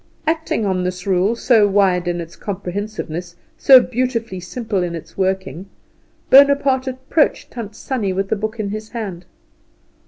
Acting on this rule, so wide in its comprehensiveness, so beautifully simple in its working, Bonaparte approached Tant Sannie with the book in his hand.